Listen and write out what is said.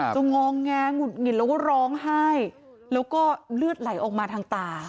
งองแงหงุดหงิดแล้วก็ร้องไห้แล้วก็เลือดไหลออกมาทางตา